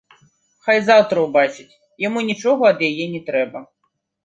Хай заўтра ўбачыць, яму нічога ад яе не трэба!